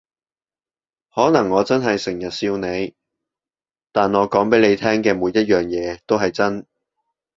可能我真係成日笑你，但我講畀你聽嘅每樣嘢都係真